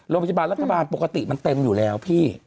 โรงพยาบาลรัฐบาลปกติมันเต็มอยู่แล้วพี่